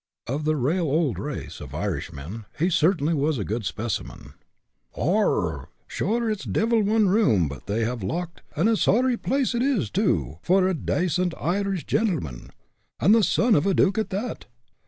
Of the "rale old" race of Irishmen, he was certainly a good specimen. "Arrah! sure it's divil one room but they have locked, an' a sorry place it is, too, for a dacent Irish gintlemon an the son of a duke at that!